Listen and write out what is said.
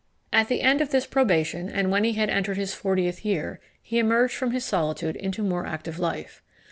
At the end of this probation, and when he had entered his fortieth year, he emerged from his solitude into more active life.